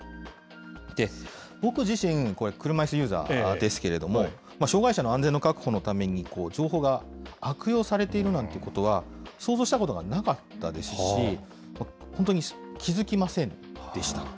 僕自身、車いすユーザーですけれども、障害者の安全の確保のために情報が悪用されているなんてことは、想像したことがなかったですし、本当に気付きませんでした。